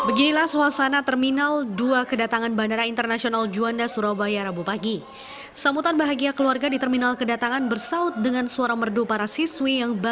rasa bangga dan juga ceria terpancar saat disambut keluarga di terminal kedatangan bandara juanda